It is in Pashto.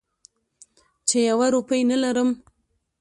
چې یوه روپۍ نه لرم.